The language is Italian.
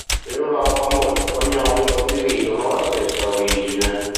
In Europa molti cognomi condividono la stessa origine.